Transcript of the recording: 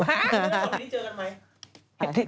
จนนี้เจอกันไหม